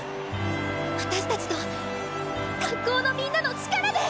私たちと学校のみんなの力で！